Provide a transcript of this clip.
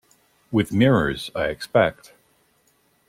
With mirrors, I expect.